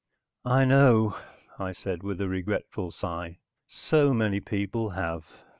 "I know," I said with a regretful sigh. "So many people have."